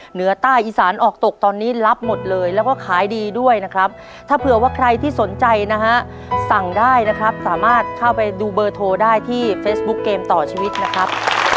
เหนือใต้อีสานออกตกตอนนี้รับหมดเลยแล้วก็ขายดีด้วยนะครับถ้าเผื่อว่าใครที่สนใจนะฮะสั่งได้นะครับสามารถเข้าไปดูเบอร์โทรได้ที่เฟซบุ๊คเกมต่อชีวิตนะครับ